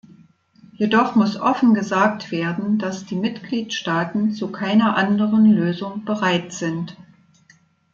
Jedoch muss offen gesagt werden, dass die Mitgliedstaaten zu keiner anderen Lösung bereit sind.